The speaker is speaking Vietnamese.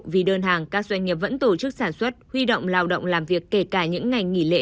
vì đơn hàng các doanh nghiệp vẫn tổ chức sản xuất huy động lao động làm việc kể cả những ngày nghỉ lễ